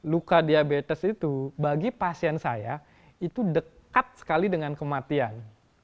luka diabetes itu bagi pasien saya itu dekat sekali dengan kematian